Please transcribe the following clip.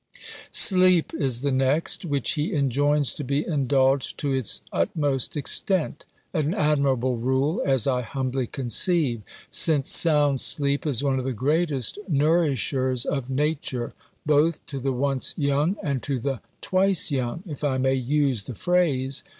Sleep is the next, which he enjoins to be indulged to its utmost extent: an admirable rule, as I humbly conceive; since sound sleep is one of the greatest nourishers of nature, both to the once young and to the twice young, if I may use the phrase.